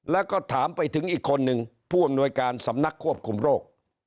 แล้วก็ถามไปถึงอีกคนนึงผู้อำนวยการสำนักควบคุมโรค